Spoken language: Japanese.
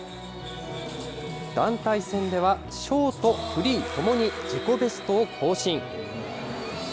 団体戦ではショート、フリーともに自己ベストを更新。